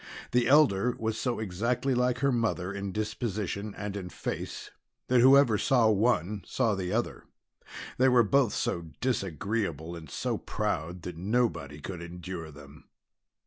The elder was so exactly like her mother in disposition and in face that whoever saw one, saw the other. They were both so disagreeable and so proud that nobody could endure them.